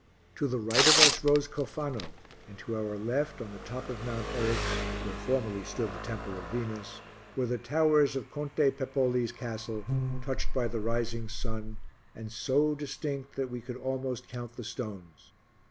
To the right of us rose Cofano and to our left, on the top of Mount Eryx, where formerly stood the temple of Venus, were the towers of Conte Pepoli's castle, touched by the rising sun and so distinct that we could almost count the stones.